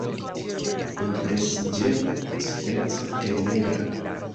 Impresiĝema, speco, tenera.